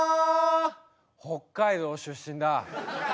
北海道出身だ。